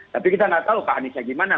tapi kita tidak tahu pak aniesnya bagaimana